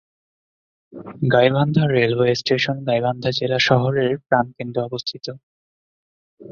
Gaibandha railway station Gaibandha জেলা শহরের প্রাণকেন্দ্রে অবস্থিত।